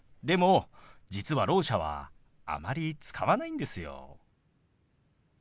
でも実はろう者はあまり使わないんですよ。